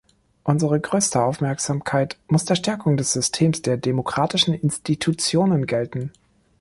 Unsere größte Aufmerksamkeit muss der Stärkung des Systems der demokratischen Institutionen gelten.